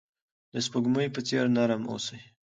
د سپوږمۍ په څیر نرم اوسئ.